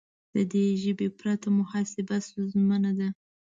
د دې ژبې پرته محاسبه ستونزمنه ده.